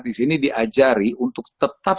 di sini diajari untuk tetap